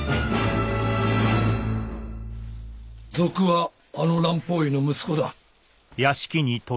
賊はあの蘭方医の息子だ。